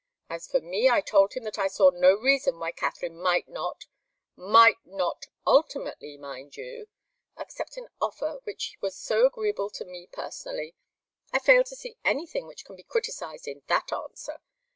As for me, I told him that I saw no reason why Katharine might not 'might not ultimately,' mind you accept an offer which was so agreeable to me personally. I fail to see anything which can be criticised in that answer.